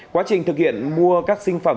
quá trình thực hiện mua các sinh phẩm